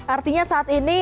artinya saat ini